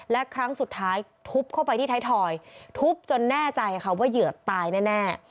และครั้งสุดท้ายทุบเข้าไปที่ไทยทอยทุบจนแน่ใจค่ะว่าเหยื่อตายแน่